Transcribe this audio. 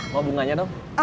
mau bunganya dong